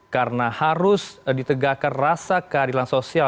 karena harus ditegakkan rasa keadilan sosial